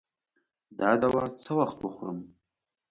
دا دوا څه وخت وخورم؟